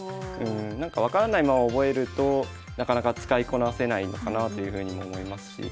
分からないまま覚えるとなかなか使いこなせないのかなというふうにも思いますし。